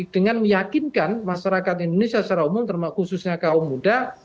dengan meyakinkan masyarakat indonesia secara umum khususnya kaum muda